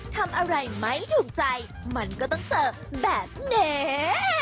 ทำอะไรไม่ถูกใจมันก็ต้องเจอแบบนี้